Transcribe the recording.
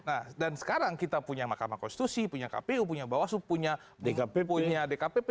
nah dan sekarang kita punya mahkamah konstitusi punya kpu punya bawaslu punya dkpp